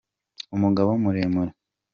umugabo muremure